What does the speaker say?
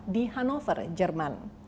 di hannover jerman